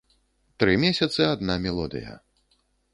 Тры месяцы адна мелодыя.